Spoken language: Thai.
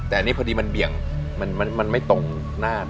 แต่อันนี้พอดีมันเบี่ยงมันไม่ตรงหน้า